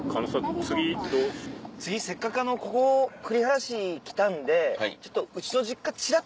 次せっかくここ栗原市来たんでちょっと。